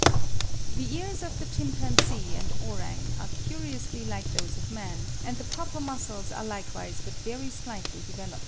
The ears of the chimpanzee and orang are curiously like those of man, and the proper muscles are likewise but very slightly developed.